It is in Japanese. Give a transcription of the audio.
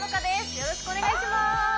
よろしくお願いします